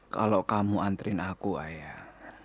kalau kamu antrin aku ayah